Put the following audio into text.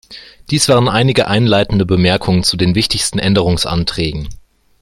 Dies waren einige einleitende Bemerkungen zu den wichtigsten Änderungsanträgen.